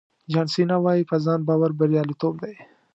جان سینا وایي په ځان باور بریالیتوب دی.